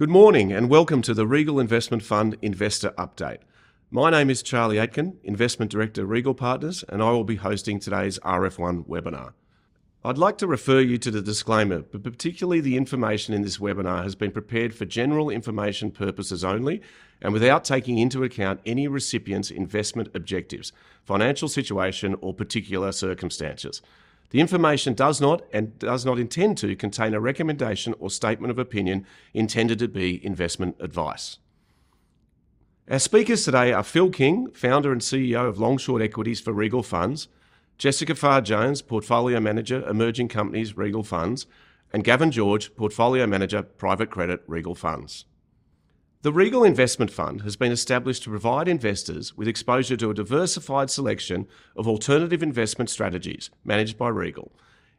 Good morning and welcome to the Regal Investment Fund Investor Update. My name is Charlie Aitken, Investment Director, Regal Partners, and I will be hosting today's RF1 webinar. I'd like to refer you to the disclaimer, but particularly the information in this webinar has been prepared for general information purposes only and without taking into account any recipient's investment objectives, financial situation, or particular circumstances. The information does not, and does not intend to, contain a recommendation or statement of opinion intended to be investment advice. Our speakers today are Phil King, founder and CIO of Long/Short Equities for Regal Funds; Jessica Farr-Jones, portfolio manager, Emerging Companies, Regal Funds; and Gavin George, portfolio manager, Private Credit, Regal Funds. The Regal Investment Fund has been established to provide investors with exposure to a diversified selection of alternative investment strategies managed by Regal.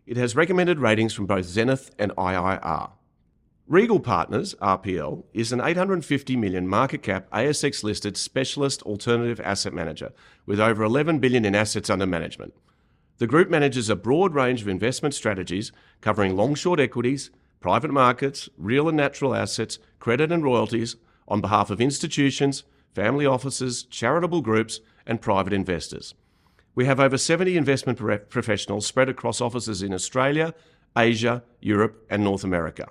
It has recommended ratings from both Zenith and IIR. Regal Partners RPL is an 850 million market cap ASX-listed specialist alternative asset manager with over 11 billion in assets under management. The group manages a broad range of investment strategies covering long/short equities, private markets, real and natural assets, credit and royalties on behalf of institutions, family offices, charitable groups, and private investors. We have over 70 investment professionals spread across offices in Australia, Asia, Europe, and North America.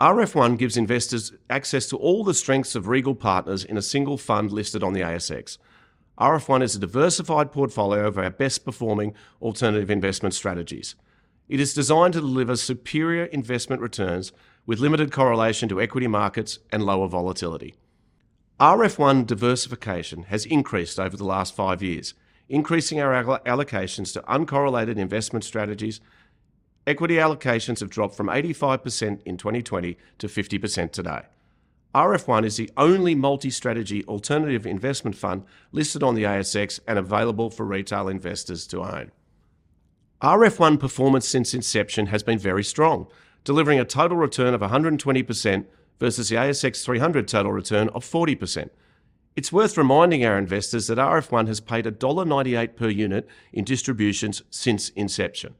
RF1 gives investors access to all the strengths of Regal Partners in a single fund listed on the ASX. RF1 is a diversified portfolio of our best-performing alternative investment strategies. It is designed to deliver superior investment returns with limited correlation to equity markets and lower volatility. RF1 diversification has increased over the last five years, increasing our allocations to uncorrelated investment strategies. Equity allocations have dropped from 85% in 2020 to 50% today. RF1 is the only multi-strategy alternative investment fund listed on the ASX and available for retail investors to own. RF1 performance since inception has been very strong, delivering a total return of 120% versus the ASX 300 total return of 40%. It's worth reminding our investors that RF1 has paid dollar 1.98 per unit in distributions since inception.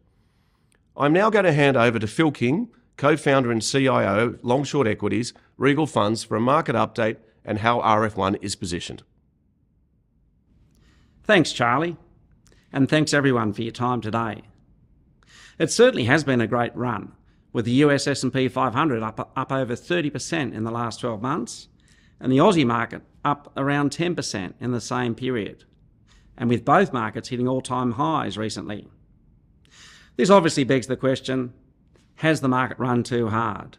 I'm now going to hand over to Phil King, co-founder and CIO of Long/Short Equities, Regal Funds Management, for a market update and how RF1 is positioned. Thanks, Charlie, and thanks everyone for your time today. It certainly has been a great run, with the US S&P 500 up over 30% in the last 12 months and the Aussie market up around 10% in the same period, and with both markets hitting all-time highs recently. This obviously begs the question, has the market run too hard?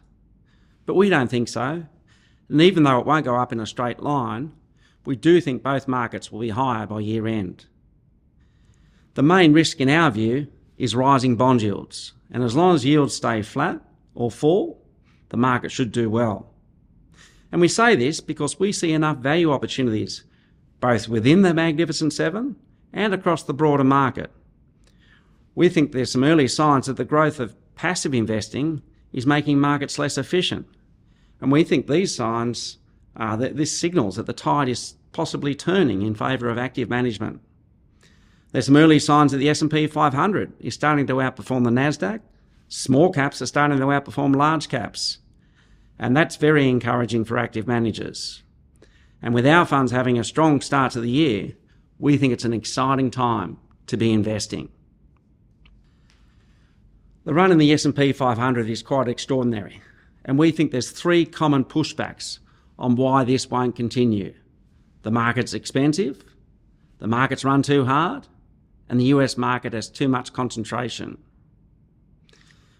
But we don't think so, and even though it won't go up in a straight line, we do think both markets will be higher by year-end. The main risk, in our view, is rising bond yields, and as long as yields stay flat or fall, the market should do well. We say this because we see enough value opportunities both within the Magnificent Seven and across the broader market. We think there are some early signs that the growth of passive investing is making markets less efficient, and we think these signs are that this signals that the tide is possibly turning in favor of active management. There are some early signs that the S&P 500 is starting to outperform the NASDAQ, small caps are starting to outperform large caps, and that's very encouraging for active managers. With our funds having a strong start to the year, we think it's an exciting time to be investing. The run in the S&P 500 is quite extraordinary, and we think there are three common pushbacks on why this won't continue: the market's expensive, the market's run too hard, and the U.S. market has too much concentration.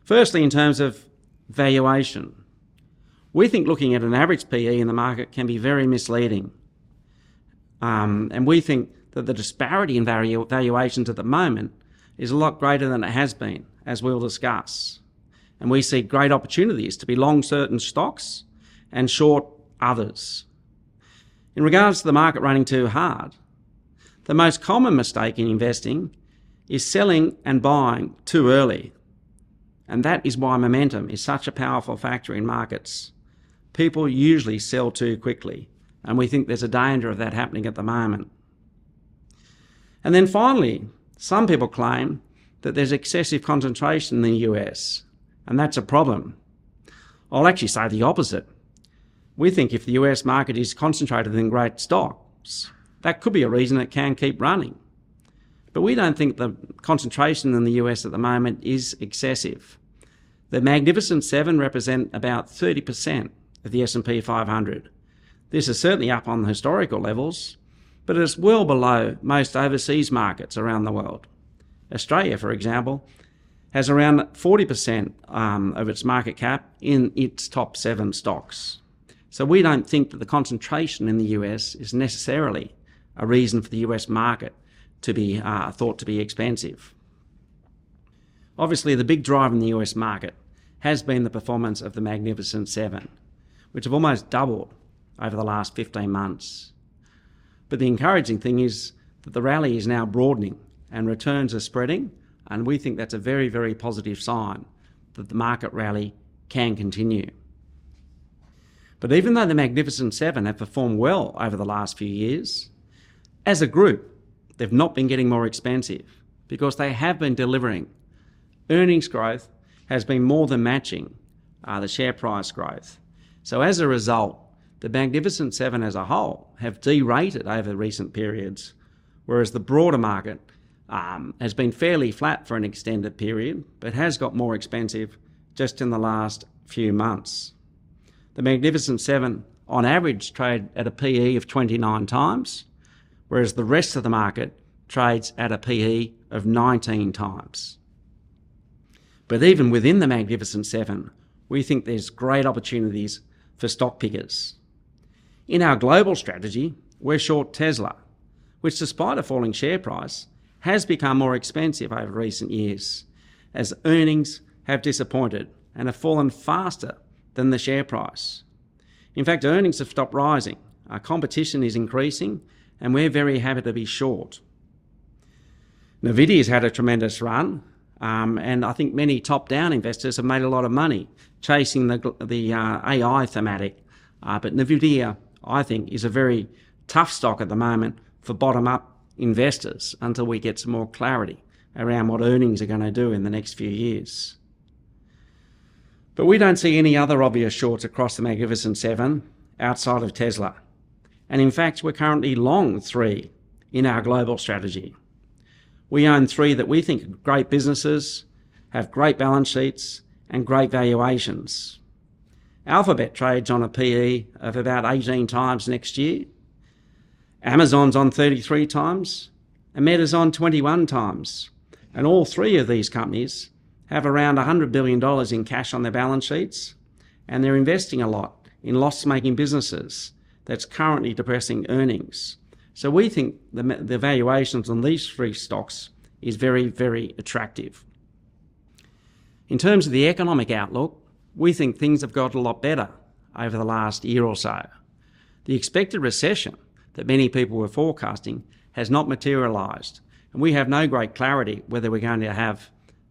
Firstly, in terms of valuation, we think looking at an average P/E in the market can be very misleading, and we think that the disparity in valuations at the moment is a lot greater than it has been, as we'll discuss. We see great opportunities to be long certain stocks and short others. In regards to the market running too hard, the most common mistake in investing is selling and buying too early, and that is why momentum is such a powerful factor in markets. People usually sell too quickly, and we think there's a danger of that happening at the moment. Then finally, some people claim that there's excessive concentration in the U.S., and that's a problem. I'll actually say the opposite. We think if the U.S. market is concentrated in great stocks, that could be a reason it can keep running, but we don't think the concentration in the U.S. at the moment is excessive. The Magnificent Seven represent about 30% of the S&P 500. This is certainly up on the historical levels, but it's well below most overseas markets around the world. Australia, for example, has around 40% of its market cap in its top seven stocks, so we don't think that the concentration in the U.S. is necessarily a reason for the U.S. market to be thought to be expensive. Obviously, the big drive in the U.S. market has been the performance of the Magnificent Seven, which have almost doubled over the last 15 months. The encouraging thing is that the rally is now broadening and returns are spreading, and we think that's a very, very positive sign that the market rally can continue. Even though the Magnificent Seven have performed well over the last few years, as a group, they've not been getting more expensive because they have been delivering. Earnings growth has been more than matching the share price growth, so as a result, the Magnificent Seven as a whole have derated over recent periods, whereas the broader market has been fairly flat for an extended period but has got more expensive just in the last few months. The Magnificent Seven, on average, trade at a P/E of 29 times, whereas the rest of the market trades at a P/E of 19 times. Even within the Magnificent Seven, we think there are great opportunities for stock pickers. In our Global Strategy, we're short Tesla, which, despite a falling share price, has become more expensive over recent years as earnings have disappointed and have fallen faster than the share price. In fact, earnings have stopped rising, our competition is increasing, and we're very happy to be short. NVIDIA has had a tremendous run, and I think many top-down investors have made a lot of money chasing the AI thematic, but NVIDIA, I think, is a very tough stock at the moment for bottom-up investors until we get some more clarity around what earnings are going to do in the next few years. We don't see any other obvious shorts across the Magnificent Seven outside of Tesla, and in fact, we're currently long three in our Global Strategy. We own three that we think are great businesses, have great balance sheets, and great valuations. Alphabet trades on a P/E of about 18x next year, Amazon's on 33x, and Meta's on 21x, and all three of these companies have around $100 billion in cash on their balance sheets, and they're investing a lot in loss-making businesses that's currently depressing earnings, so we think the valuations on these three stocks are very, very attractive. In terms of the economic outlook, we think things have got a lot better over the last year or so. The expected recession that many people were forecasting has not materialized, and we have no great clarity whether we're going to have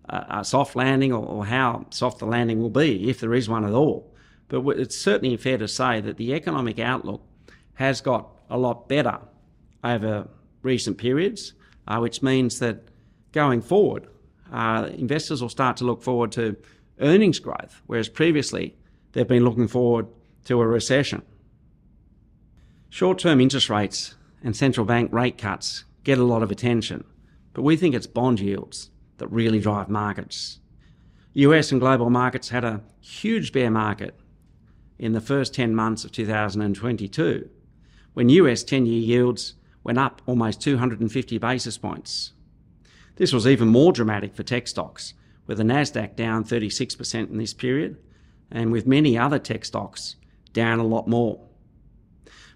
a soft landing or how soft the landing will be if there is one at all, but it's certainly fair to say that the economic outlook has got a lot better over recent periods, which means that going forward, investors will start to look forward to earnings growth, whereas previously they've been looking forward to a recession. Short-term interest rates and central bank rate cuts get a lot of attention, but we think it's bond yields that really drive markets. U.S. and global markets had a huge bear market in the first 10 months of 2022 when U.S. 10-year yields went up almost 250 basis points. This was even more dramatic for tech stocks, with the NASDAQ down 36% in this period and with many other tech stocks down a lot more.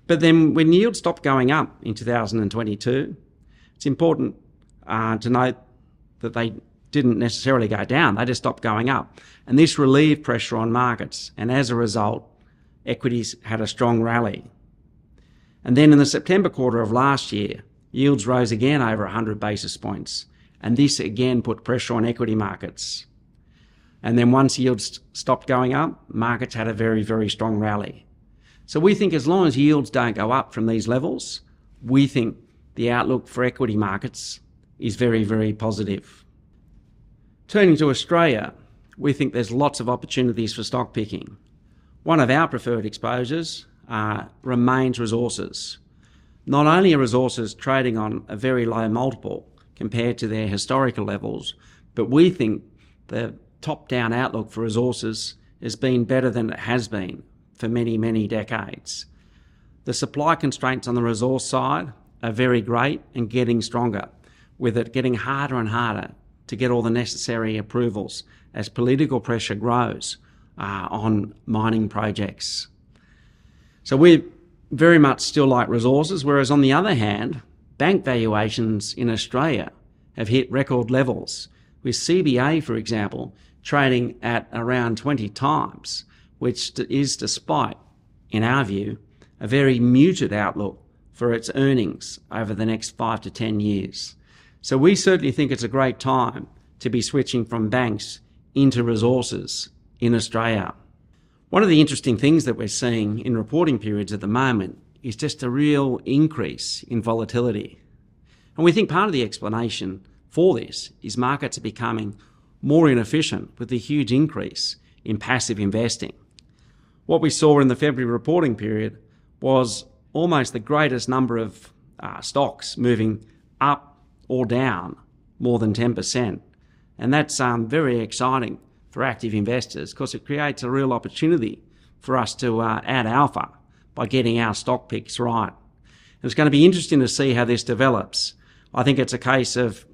Then when yields stopped going up in 2022, it's important to note that they didn't necessarily go down. They just stopped going up, and this relieved pressure on markets, and as a result, equities had a strong rally. Then in the September quarter of last year, yields rose again over 100 basis points, and this again put pressure on equity markets. Then once yields stopped going up, markets had a very, very strong rally. We think as long as yields don't go up from these levels, we think the outlook for equity markets is very, very positive. Turning to Australia, we think there are lots of opportunities for stock picking. One of our preferred exposures remains resources. Not only are resources trading on a very low multiple compared to their historical levels, but we think the top-down outlook for resources has been better than it has been for many, many decades. The supply constraints on the resource side are very great and getting stronger, with it getting harder and harder to get all the necessary approvals as political pressure grows on mining projects. We very much still like resources, whereas on the other hand, bank valuations in Australia have hit record levels, with CBA, for example, trading at around 20 times, which is despite, in our view, a very muted outlook for its earnings over the next 5-10 years. We certainly think it's a great time to be switching from banks into resources in Australia. One of the interesting things that we're seeing in reporting periods at the moment is just a real increase in volatility, and we think part of the explanation for this is markets are becoming more inefficient with the huge increase in passive investing. What we saw in the February reporting period was almost the greatest number of stocks moving up or down more than 10%, and that's very exciting for active investors because it creates a real opportunity for us to add alpha by getting our stock picks right. It's going to be interesting to see how this develops. I think it's a case of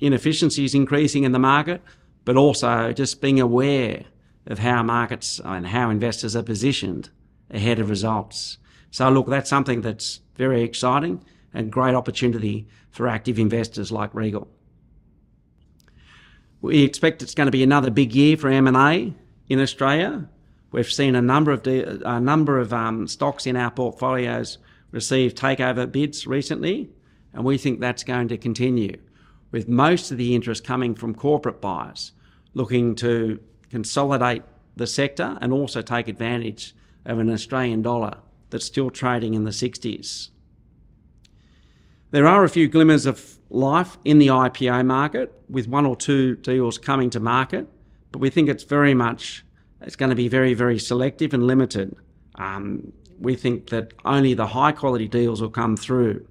inefficiencies increasing in the market, but also just being aware of how markets and how investors are positioned ahead of results. Look, that's something that's very exciting and a great opportunity for active investors like Regal. We expect it's going to be another big year for M&A in Australia. We've seen a number of stocks in our portfolios receive takeover bids recently, and we think that's going to continue, with most of the interest coming from corporate buyers looking to consolidate the sector and also take advantage of an Australian dollar that's still trading in the 60s. There are a few glimmers of life in the IPO market, with one or two deals coming to market, but we think it's very much going to be very, very selective and limited. We think that only the high-quality deals will come through.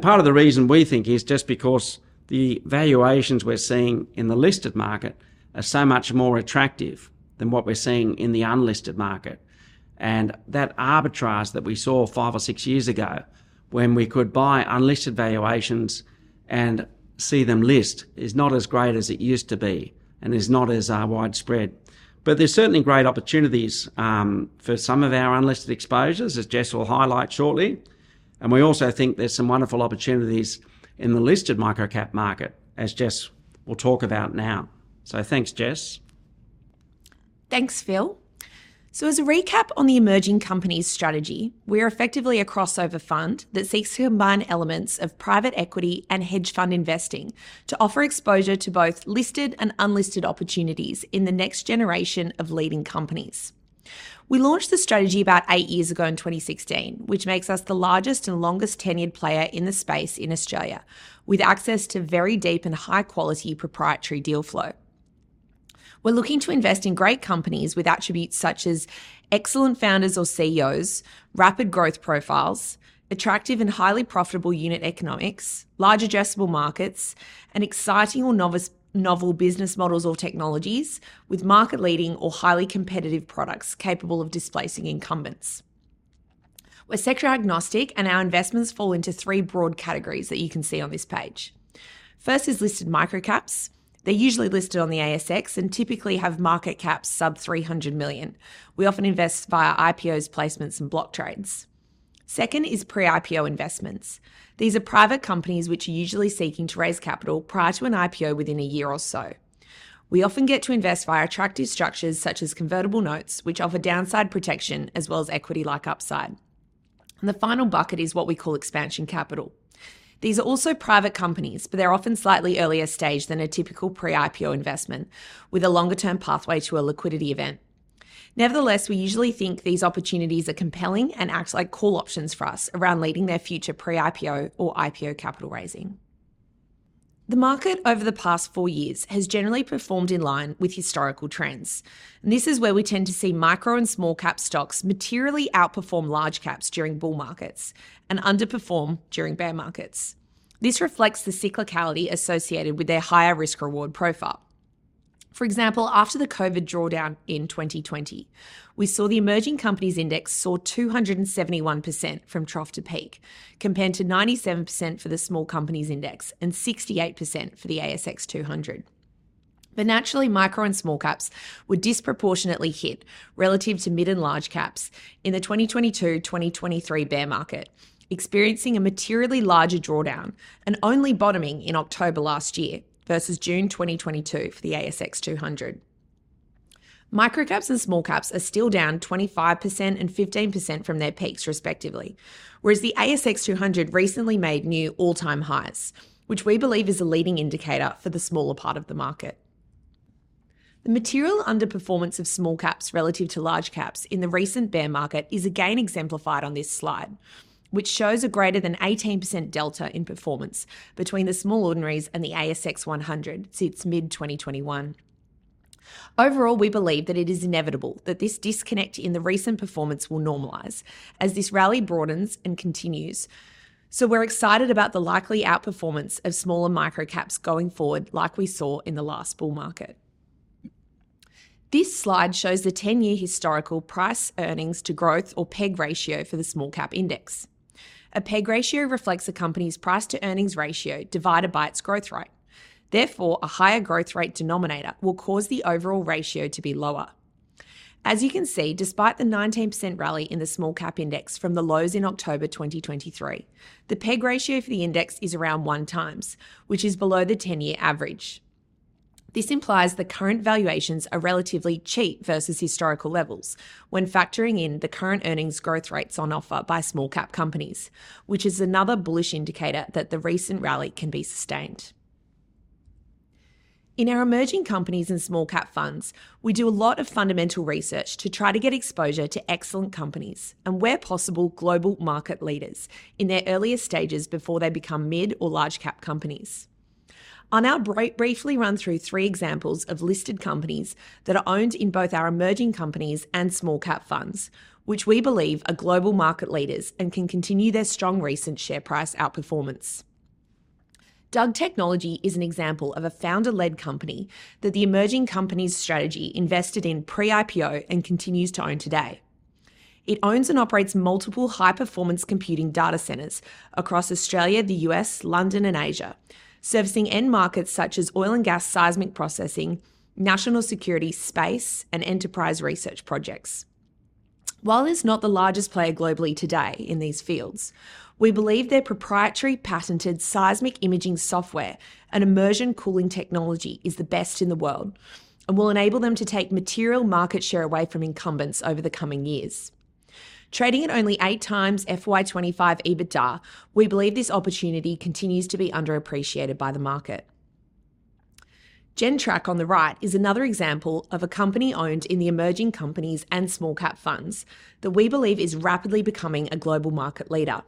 Part of the reason we think is just because the valuations we're seeing in the listed market are so much more attractive than what we're seeing in the unlisted market, and that arbitrage that we saw 5 or 6 years ago when we could buy unlisted valuations and see them list is not as great as it used to be and is not as widespread. There are certainly great opportunities for some of our unlisted exposures, as Jess will highlight shortly, and we also think there are some wonderful opportunities in the listed microcap market, as Jess will talk about now. Thanks, Jess. Thanks, Phil. As a recap on the Emerging Companies Strategy, we're effectively a crossover fund that seeks to combine elements of private equity and hedge fund investing to offer exposure to both listed and unlisted opportunities in the next generation of leading companies. We launched the strategy about 8 years ago in 2016, which makes us the largest and longest-tenured player in the space in Australia, with access to very deep and high-quality proprietary deal flow. We're looking to invest in great companies with attributes such as excellent founders or CEOs, rapid growth profiles, attractive and highly profitable unit economics, large addressable markets, and exciting or novel business models or technologies, with market-leading or highly competitive products capable of displacing incumbents. We're sector-agnostic, and our investments fall into 3 broad categories that you can see on this page. First is listed microcaps. They're usually listed on the ASX and typically have market caps sub 300 million. We often invest via IPOs, placements, and block trades. Second is pre-IPO investments. These are private companies which are usually seeking to raise capital prior to an IPO within a year or so. We often get to invest via attractive structures such as convertible notes, which offer downside protection as well as equity-like upside. The final bucket is what we call expansion capital. These are also private companies, but they're often slightly earlier stage than a typical pre-IPO investment, with a longer-term pathway to a liquidity event. Nevertheless, we usually think these opportunities are compelling and act like call options for us around leading their future pre-IPO or IPO capital raising. The market over the past four years has generally performed in line with historical trends. This is where we tend to see micro and small-cap stocks materially outperform large-caps during bull markets and underperform during bear markets. This reflects the cyclicality associated with their higher risk-reward profile. For example, after the COVID drawdown in 2020, we saw the Emerging Companies Index soar 271% from trough to peak, compared to 97% for the Small Companies Index and 68% for the ASX 200. Naturally, micro and small-caps were disproportionately hit relative to mid and large-caps in the 2022-2023 bear market, experiencing a materially larger drawdown and only bottoming in October last year versus June 2022 for the ASX 200. Microcaps and small-caps are still down 25% and 15% from their peaks, respectively, whereas the ASX 200 recently made new all-time highs, which we believe is a leading indicator for the smaller part of the market. The material underperformance of small-caps relative to large-caps in the recent bear market is again exemplified on this slide, which shows a greater than 18% delta in performance between the Small Ordinaries and the ASX 100 since mid-2021. Overall, we believe that it is inevitable that this disconnect in the recent performance will normalize, as this rally broadens and continues, so we're excited about the likely outperformance of smaller microcaps going forward like we saw in the last bull market. This slide shows the 10-year historical price-earnings-to-growth or PEG ratio for the small-cap index. A PEG ratio reflects a company's price-to-earnings ratio divided by its growth rate. Therefore, a higher growth rate denominator will cause the overall ratio to be lower. As you can see, despite the 19% rally in the small-cap index from the lows in October 2023, the PEG ratio for the index is around 1x, which is below the 10-year average. This implies the current valuations are relatively cheap versus historical levels when factoring in the current earnings growth rates on offer by small-cap companies, which is another bullish indicator that the recent rally can be sustained. In our Emerging Companies and small-cap funds, we do a lot of fundamental research to try to get exposure to excellent companies and, where possible, global market leaders in their earlier stages before they become mid or large-cap companies. I'll now briefly run through three examples of listed companies that are owned in both our Emerging Companies and small-cap funds, which we believe are global market leaders and can continue their strong recent share price outperformance. DUG Technology is an example of a founder-led company that the Emerging Companies Strategy invested in pre-IPO and continues to own today. It owns and operates multiple high-performance computing data centers across Australia, the U.S., London, and Asia, servicing end markets such as oil and gas seismic processing, national security, space, and enterprise research projects. While it's not the largest player globally today in these fields, we believe their proprietary patented seismic imaging software and immersion cooling technology is the best in the world and will enable them to take material market share away from incumbents over the coming years. Trading at only 8x FY25 EBITDA, we believe this opportunity continues to be underappreciated by the market. Gentrack on the right is another example of a company owned in the Emerging Companies and small-cap funds that we believe is rapidly becoming a global market leader.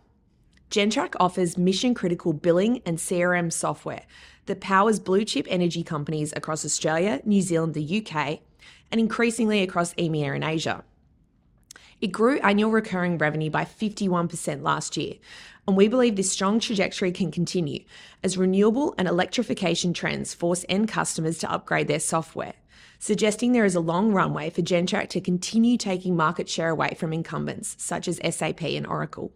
Gentrack offers mission-critical billing and CRM software that powers blue-chip energy companies across Australia, New Zealand, the UK, and increasingly across EMEA and Asia. It grew annual recurring revenue by 51% last year, and we believe this strong trajectory can continue as renewable and electrification trends force end customers to upgrade their software, suggesting there is a long runway for Gentrack to continue taking market share away from incumbents such as SAP and Oracle.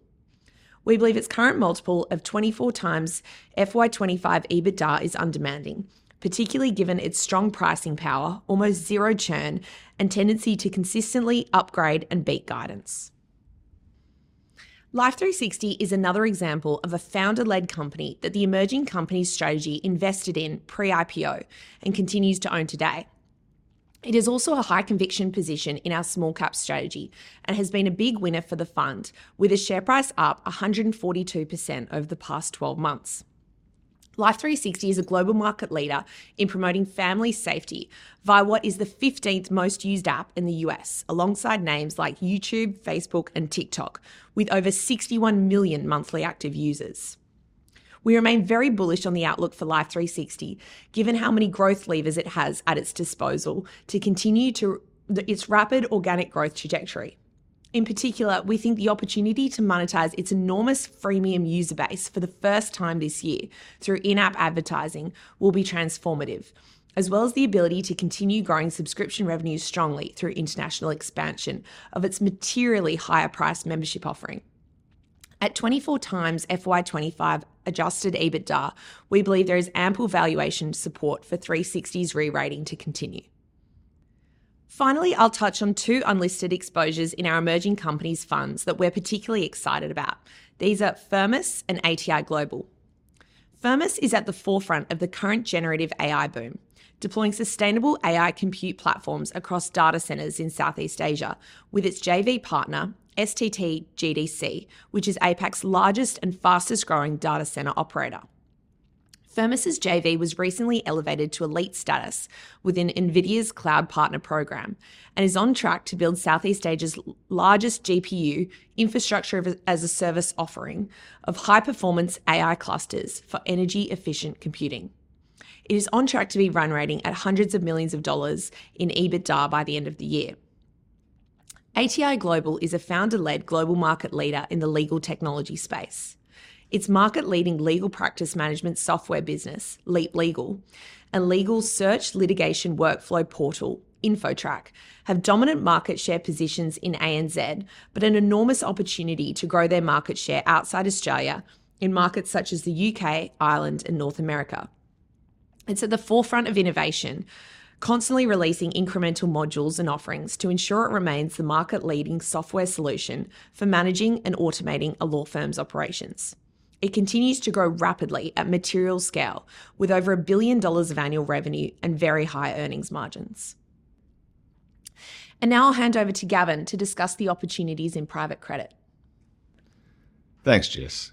We believe its current multiple of 24x FY2025 EBITDA is undemanding, particularly given its strong pricing power, almost zero churn, and tendency to consistently upgrade and beat guidance. Life360 is another example of a founder-led company that the Emerging Companies Strategy invested in pre-IPO and continues to own today. It is also a high-conviction position in our small-cap strategy and has been a big winner for the fund, with a share price up 142% over the past 12 months. Life360 is a global market leader in promoting family safety via what is the 15th most used app in the U.S., alongside names like YouTube, Facebook, and TikTok, with over 61 million monthly active users. We remain very bullish on the outlook for Life360, given how many growth levers it has at its disposal to continue its rapid organic growth trajectory. In particular, we think the opportunity to monetize its enormous freemium user base for the first time this year through in-app advertising will be transformative, as well as the ability to continue growing subscription revenues strongly through international expansion of its materially higher-priced membership offering. At 24 times FY 2025 adjusted EBITDA, we believe there is ample valuation support for 360's re-rating to continue. Finally, I'll touch on two unlisted exposures in our Emerging Companies' funds that we're particularly excited about. These are Firmus and ATI Global. Firmus is at the forefront of the current generative AI boom, deploying sustainable AI compute platforms across data centers in Southeast Asia with its JV partner, STT GDC, which is APAC's largest and fastest-growing data center operator. Firmus's JV was recently elevated to elite status within NVIDIA's cloud partner program and is on track to build Southeast Asia's largest GPU infrastructure as a service offering of high-performance AI clusters for energy-efficient computing. It is on track to be run-rating at $hundreds of millions in EBITDA by the end of the year. ATI Global is a founder-led global market leader in the legal technology space. Its market-leading legal practice management software business, LEAP Legal Software, and legal search litigation workflow portal, InfoTrack, have dominant market share positions in ANZ but an enormous opportunity to grow their market share outside Australia in markets such as the UK, Ireland, and North America. It's at the forefront of innovation, constantly releasing incremental modules and offerings to ensure it remains the market-leading software solution for managing and automating a law firm's operations. It continues to grow rapidly at material scale, with over $1 billion of annual revenue and very high earnings margins. Now I'll hand over to Gavin to discuss the opportunities in private credit. Thanks, Jess.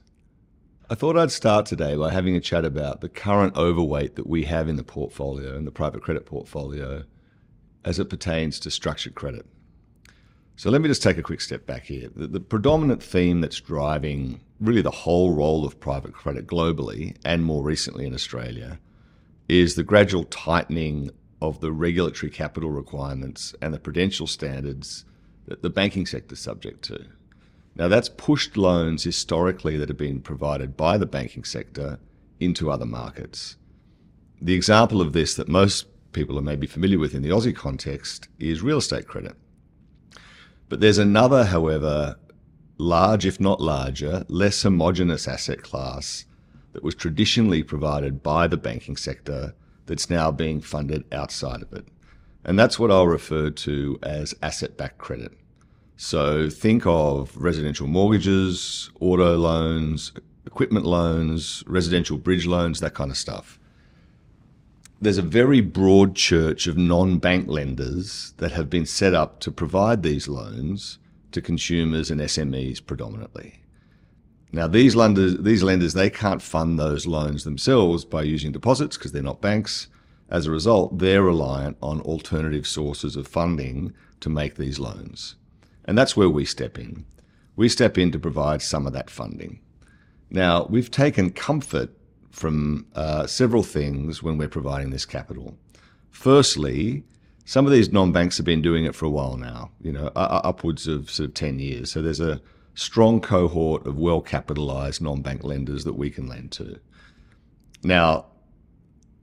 I thought I'd start today by having a chat about the current overweight that we have in the portfolio and the private credit portfolio as it pertains to structured credit. Let me just take a quick step back here. The predominant theme that's driving really the whole role of private credit globally and more recently in Australia is the gradual tightening of the regulatory capital requirements and the prudential standards that the banking sector's subject to. Now, that's pushed loans historically that have been provided by the banking sector into other markets. The example of this that most people are maybe familiar with in the Aussie context is real estate credit. There's another, however, large, if not larger, less homogenous asset class that was traditionally provided by the banking sector that's now being funded outside of it. That's what I'll refer to as asset-backed credit. Think of residential mortgages, auto loans, equipment loans, residential bridge loans, that kind of stuff. There's a very broad church of non-bank lenders that have been set up to provide these loans to consumers and SMEs predominantly. Now, these lenders, they can't fund those loans themselves by using deposits because they're not banks. As a result, they're reliant on alternative sources of funding to make these loans. That's where we step in. We step in to provide some of that funding. Now, we've taken comfort from several things when we're providing this capital. Firstly, some of these non-banks have been doing it for a while now, upwards of sort of 10 years. There's a strong cohort of well-capitalised non-bank lenders that we can lend to. Now,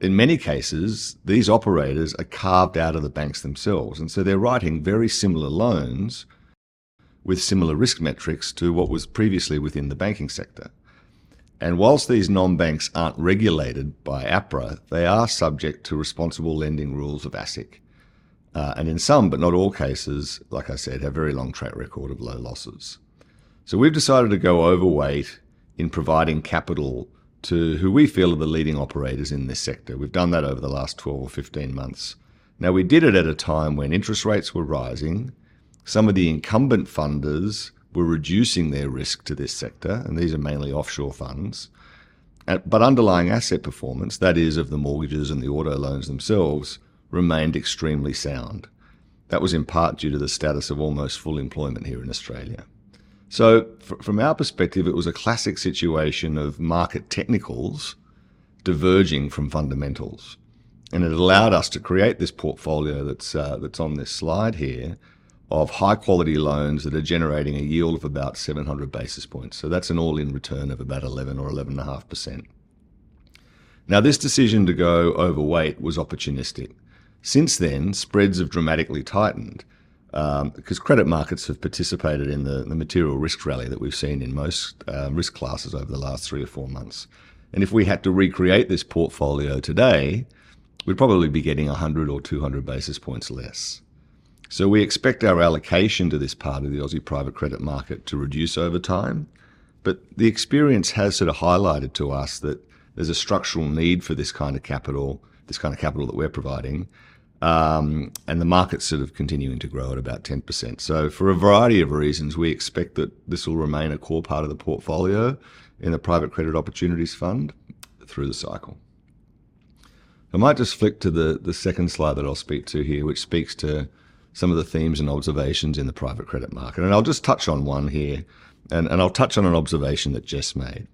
in many cases, these operators are carved out of the banks themselves, and so they're writing very similar loans with similar risk metrics to what was previously within the banking sector. While these non-banks aren't regulated by APRA, they are subject to responsible lending rules of ASIC, and in some, but not all cases, like I said, have a very long track record of low losses. We've decided to go overweight in providing capital to who we feel are the leading operators in this sector. We've done that over the last 12 or 15 months. Now, we did it at a time when interest rates were rising. Some of the incumbent funders were reducing their risk to this sector, and these are mainly offshore funds. But underlying asset performance, that is, of the mortgages and the auto loans themselves, remained extremely sound. That was in part due to the status of almost full employment here in Australia. From our perspective, it was a classic situation of market technicals diverging from fundamentals, and it allowed us to create this portfolio that's on this slide here of high-quality loans that are generating a yield of about 700 basis points. That's an all-in return of about 11% or 11.5%. Now, this decision to go overweight was opportunistic. Since then, spreads have dramatically tightened because credit markets have participated in the material risk rally that we've seen in most risk classes over the last three or four months. If we had to recreate this portfolio today, we'd probably be getting 100 or 200 basis points less. We expect our allocation to this part of the Aussie private credit market to reduce over time, but the experience has sort of highlighted to us that there's a structural need for this kind of capital, this kind of capital that we're providing, and the market's sort of continuing to grow at about 10%. For a variety of reasons, we expect that this will remain a core part of the portfolio in the Private Credit Opportunities Fund through the cycle. I might just flick to the second slide that I'll speak to here, which speaks to some of the themes and observations in the private credit market. I'll just touch on one here, and I'll touch on an observation that Jess made.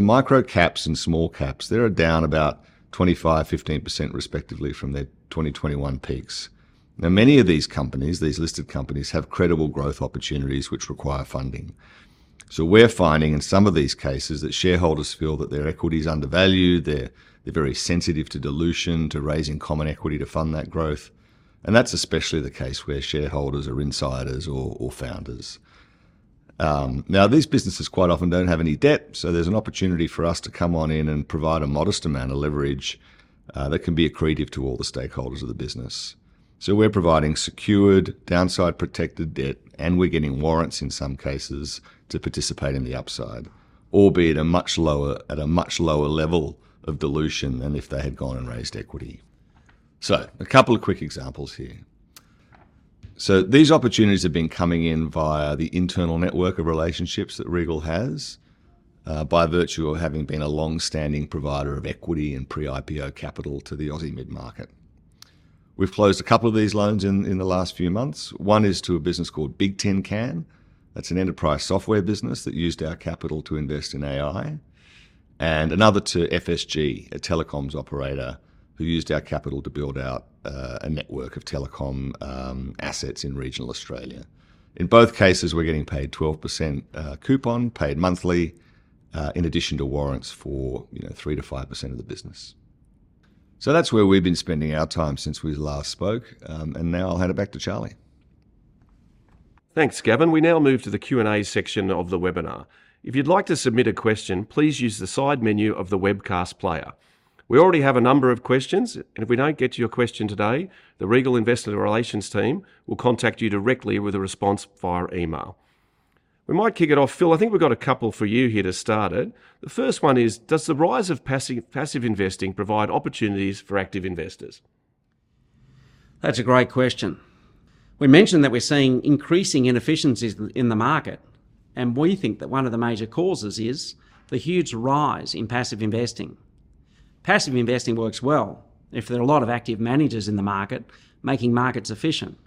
Micro caps and small caps, they're down about 25%, 15% respectively from their 2021 peaks. Now, many of these companies, these listed companies, have credible growth opportunities which require funding. We're finding in some of these cases that shareholders feel that their equity's undervalued. They're very sensitive to dilution, to raising common equity to fund that growth, and that's especially the case where shareholders are insiders or founders. Now, these businesses quite often don't have any debt, so there's an opportunity for us to come on in and provide a modest amount of leverage that can be accretive to all the stakeholders of the business. We're providing secured, downside-protected debt, and we're getting warrants in some cases to participate in the upside, albeit at a much lower level of dilution than if they had gone and raised equity. A couple of quick examples here. These opportunities have been coming in via the internal network of relationships that Regal has, by virtue of having been a longstanding provider of equity and pre-IPO capital to the Aussie mid-market. We've closed a couple of these loans in the last few months. One is to a business called Bigtincan. That's an enterprise software business that used our capital to invest in AI, and another to FSG, a telecoms operator who used our capital to build out a network of telecom assets in regional Australia. In both cases, we're getting paid 12% coupon, paid monthly, in addition to warrants for 3%-5% of the business. That's where we've been spending our time since we last spoke, and now I'll hand it back to Charlie. Thanks, Gavin. We now move to the Q&A section of the webinar. If you'd like to submit a question, please use the side menu of the webcast player. We already have a number of questions, and if we don't get to your question today, the Regal Investment Relations team will contact you directly with a response via email. We might kick it off. Phil, I think we've got a couple for you here to start it. The first one is, does the rise of passive investing provide opportunities for active investors? That's a great question. We mentioned that we're seeing increasing inefficiencies in the market, and we think that one of the major causes is the huge rise in passive investing. Passive investing works well if there are a lot of active managers in the market making markets efficient.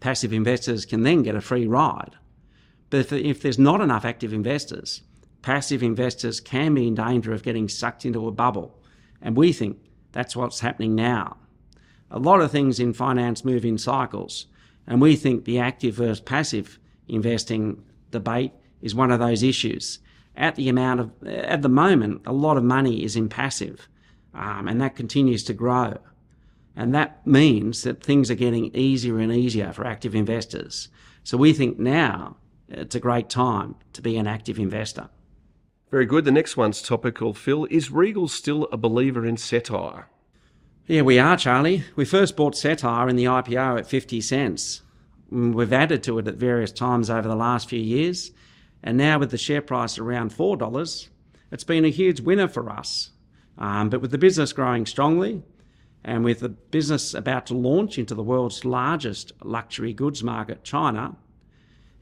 Passive investors can then get a free ride, but if there's not enough active investors, passive investors can be in danger of getting sucked into a bubble, and we think that's what's happening now. A lot of things in finance move in cycles, and we think the active versus passive investing debate is one of those issues. At the moment, a lot of money is in passive, and that continues to grow. That means that things are getting easier and easier for active investors, so we think now it's a great time to be an active investor. Very good. The next one's topical, Phil. Is Regal still a believer in Cettire? Yeah, we are, Charlie. We first bought Cettire in the IPO at 0.50. We've added to it at various times over the last few years, and now with the share price around 4 dollars, it's been a huge winner for us. With the business growing strongly and with the business about to launch into the world's largest luxury goods market, China,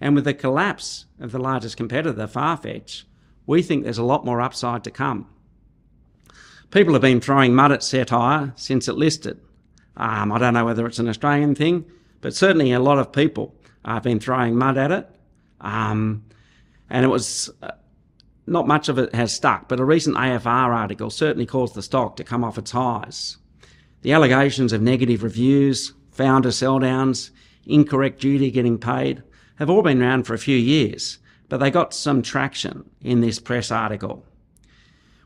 and with the collapse of the largest competitor, Farfetch, we think there's a lot more upside to come. People have been throwing mud at Cettire since it listed. I don't know whether it's an Australian thing, but certainly a lot of people have been throwing mud at it, and not much of it has stuck, but a recent AFR article certainly caused the stock to come off its highs. The allegations of negative reviews, founder sell-downs, incorrect duty getting paid have all been around for a few years, but they got some traction in this press article.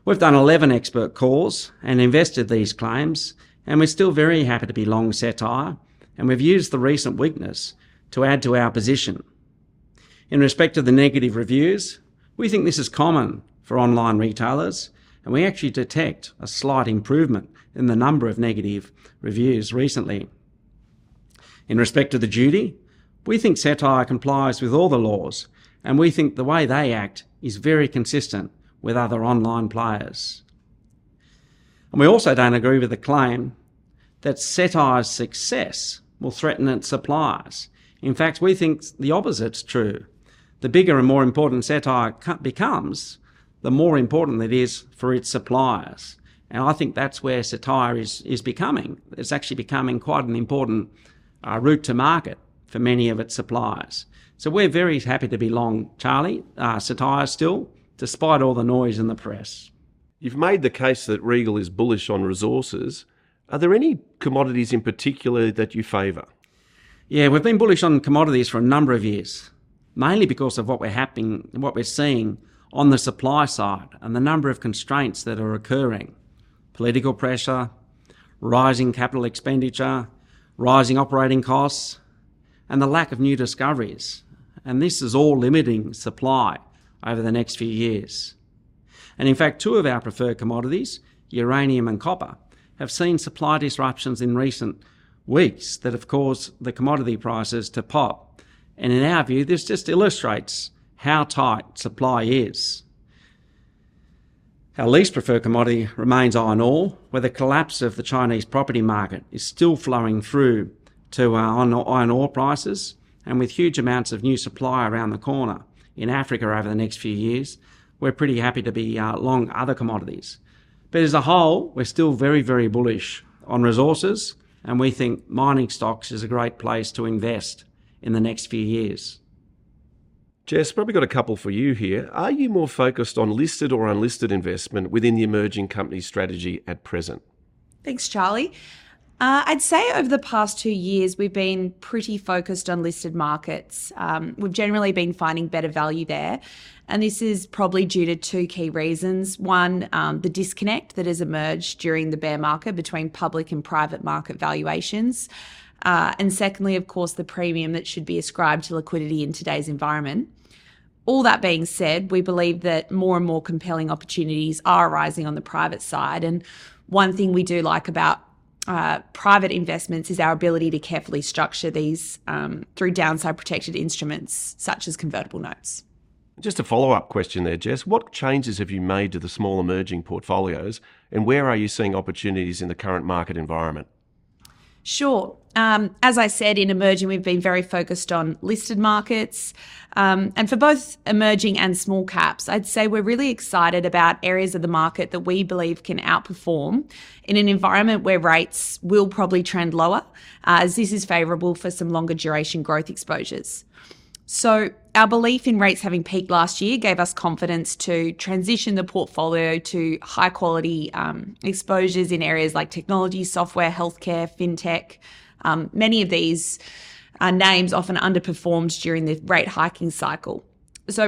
We've done 11 expert calls and investigated these claims, and we're still very happy to be long Cettire, and we've used the recent weakness to add to our position. In respect to the negative reviews, we think this is common for online retailers, and we actually detect a slight improvement in the number of negative reviews recently. In respect to the duty, we think Cettire complies with all the laws, and we think the way they act is very consistent with other online players. We also don't agree with the claim that Cettire's success will threaten its suppliers. In fact, we think the opposite's true. The bigger and more important Cettire becomes, the more important it is for its suppliers, and I think that's where Cettire is becoming. It's actually becoming quite an important route to market for many of its suppliers. We're very happy to be long Charlie, Cettire still, despite all the noise in the press. You've made the case that Regal is bullish on resources. Are there any commodities in particular that you favor? Yeah, we've been bullish on commodities for a number of years, mainly because of what we're seeing on the supply side and the number of constraints that are occurring: political pressure, rising capital expenditure, rising operating costs, and the lack of new discoveries. This is all limiting supply over the next few years. In fact, two of our preferred commodities, uranium and copper, have seen supply disruptions in recent weeks that have caused the commodity prices to pop, and in our view, this just illustrates how tight supply is. Our least preferred commodity remains iron ore, where the collapse of the Chinese property market is still flowing through to our iron ore prices, and with huge amounts of new supply around the corner in Africa over the next few years, we're pretty happy to be long other commodities. As a whole, we're still very, very bullish on resources, and we think mining stocks is a great place to invest in the next few years. Jess, I've probably got a couple for you here. Are you more focused on listed or unlisted investment within the emerging company strategy at present? Thanks, Charlie. I'd say over the past two years, we've been pretty focused on listed markets. We've generally been finding better value there, and this is probably due to two key reasons. One, the disconnect that has emerged during the bear market between public and private market valuations, and secondly, of course, the premium that should be ascribed to liquidity in today's environment. All that being said, we believe that more and more compelling opportunities are arising on the private side, and one thing we do like about private investments is our ability to carefully structure these through downside-protected instruments such as convertible notes. Just a follow-up question there, Jess. What changes have you made to the small emerging portfolios, and where are you seeing opportunities in the current market environment? Sure. As I said, in emerging, we've been very focused on listed markets, and for both emerging and small caps, I'd say we're really excited about areas of the market that we believe can outperform in an environment where rates will probably trend lower as this is favorable for some longer-duration growth exposures. Our belief in rates having peaked last year gave us confidence to transition the portfolio to high-quality exposures in areas like technology, software, healthcare, FinTech. Many of these names often underperformed during the rate hiking cycle.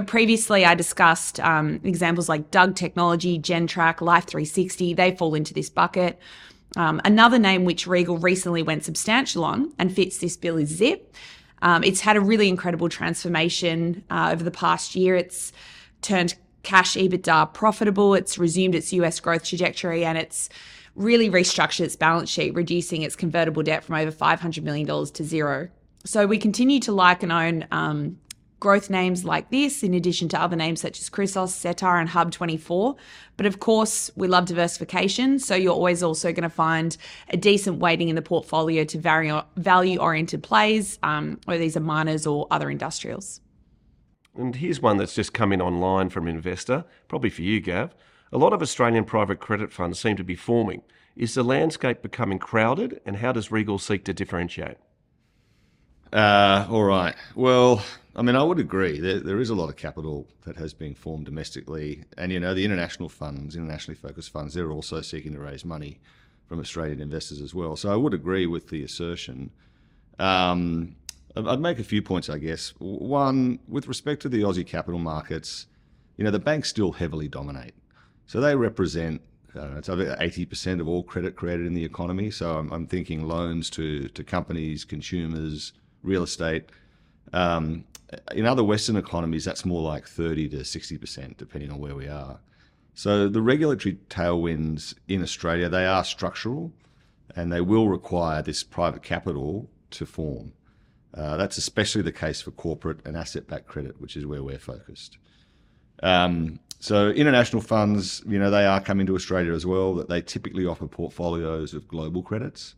Previously, I discussed examples like DUG Technology, Gentrack, Life360; they fall into this bucket. Another name which Regal recently went substantial on and fits this bill is Zip, it's had a really incredible transformation over the past year. It's turned cash EBITDA profitable. It's resumed its US growth trajectory, and it's really restructured its balance sheet, reducing its convertible debt from over $500 million to zero. We continue to like and own growth names like this in addition to other names such as Chrysos, Cettire, and HUB24, but of course, we love diversification, so you're always also going to find a decent weighting in the portfolio to value-oriented plays, whether these are miners or other industrials. Here's one that's just come in online from an investor, probably for you, Gav. A lot of Australian private credit funds seem to be forming. Is the landscape becoming crowded, and how does Regal seek to differentiate? All right. Well, I would agree that there is a lot of capital that has been formed domestically, and the international funds, internationally focused funds, they're also seeking to raise money from Australian investors as well. I would agree with the assertion. I'd make a few points, I guess. One, with respect to the Aussie capital markets, the banks still heavily dominate. They represent, I don't know, it's over 80% of all credit created in the economy, so I'm thinking loans to companies, consumers, real estate. In other Western economies, that's more like 30%-60% depending on where we are. The regulatory tailwinds in Australia, they are structural, and they will require this private capital to form. That's especially the case for corporate and asset-backed credit, which is where we're focused. International funds, they are coming to Australia as well, but they typically offer portfolios of global credits.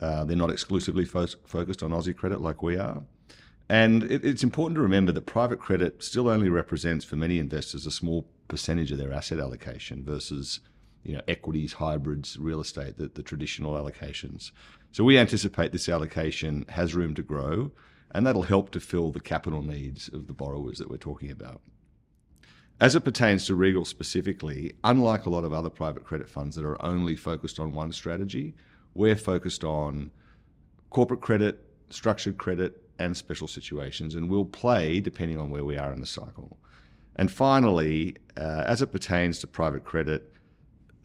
They're not exclusively focused on Aussie credit like we are. It's important to remember that private credit still only represents, for many investors, a small percentage of their asset allocation versus equities, hybrids, real estate, the traditional allocations. We anticipate this allocation has room to grow, and that'll help to fill the capital needs of the borrowers that we're talking about. As it pertains to Regal specifically, unlike a lot of other private credit funds that are only focused on one strategy, we're focused on corporate credit, structured credit, and special situations, and we'll play depending on where we are in the cycle. Finally, as it pertains to private credit,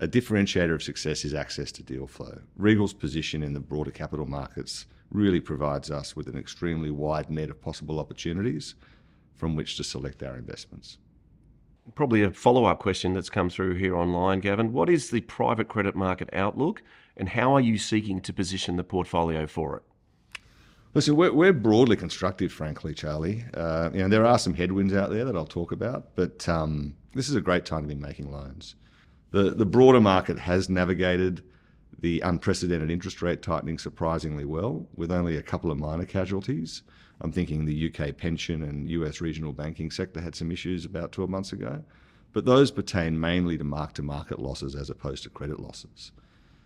a differentiator of success is access to deal flow. Regal's position in the broader capital markets really provides us with an extremely wide net of possible opportunities from which to select our investments. Probably a follow-up question that's come through here online, Gavin. What is the private credit market outlook, and how are you seeking to position the portfolio for it? We're broadly constructed, frankly, Charlie. There are some headwinds out there that I'll talk about, but this is a great time to be making loans. The broader market has navigated the unprecedented interest rate tightening surprisingly well with only a couple of minor casualties. I'm thinking the U.K. pension and U.S. regional banking sector had some issues about 12 months ago, but those pertain mainly to mark-to-market losses as opposed to credit losses.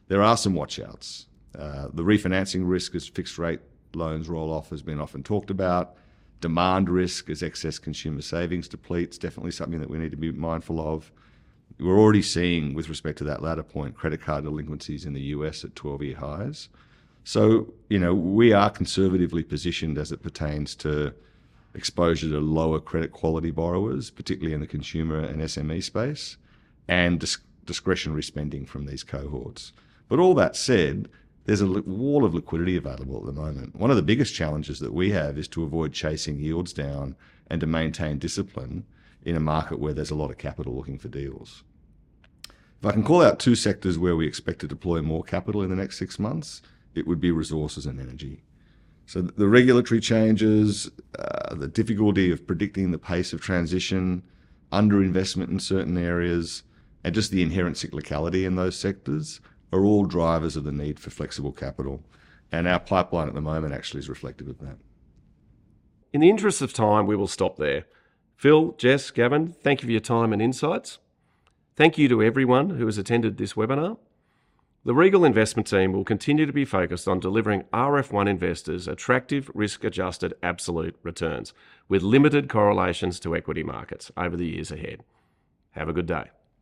There are some watch-outs. The refinancing risk as fixed-rate loans roll off has been often talked about. Demand risk as excess consumer savings depletes is definitely something that we need to be mindful of. We're already seeing, with respect to that latter point, credit card delinquencies in the U.S. at 12-year highs. We are conservatively positioned as it pertains to exposure to lower credit quality borrowers, particularly in the consumer and SME space, and discretionary spending from these cohorts. All that said, there's a wall of liquidity available at the moment. One of the biggest challenges that we have is to avoid chasing yields down and to maintain discipline in a market where there's a lot of capital looking for deals. If I can call out two sectors where we expect to deploy more capital in the next six months, it would be resources and energy. The regulatory changes, the difficulty of predicting the pace of transition, underinvestment in certain areas, and just the inherent cyclicality in those sectors are all drivers of the need for flexible capital, and our pipeline at the moment actually is reflective of that. In the interest of time, we will stop there. Phil, Jess, Gavin, thank you for your time and insights. Thank you to everyone who has attended this webinar. The Regal Investment Team will continue to be focused on delivering RF1 investors attractive risk-adjusted absolute returns with limited correlations to equity markets over the years ahead. Have a good day.